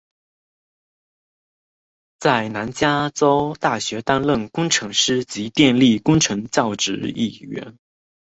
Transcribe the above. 在南加州大学任职工程师及电力工程教授一职。